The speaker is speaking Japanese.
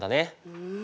うん。